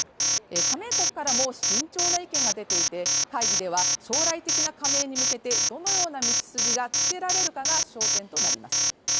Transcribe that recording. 加盟国からも、慎重な意見が出ていて、会議では将来的な加盟に向けてどのような道筋がつけられるかが焦点となります。